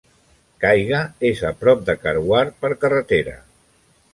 Kaiga és a prop de Karwar per carretera.